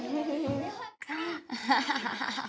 ハハハハハ！